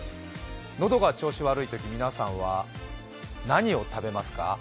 喉が調子悪いとき、皆さんは何を食べますか？